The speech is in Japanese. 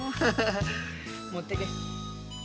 持ってけ。